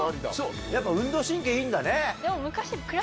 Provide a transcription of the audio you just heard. やっぱ運動神経いいんだね。